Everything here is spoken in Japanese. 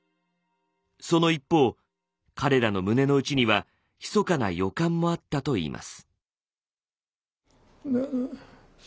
その一方彼らの胸の内にはひそかな予感もあったといいます。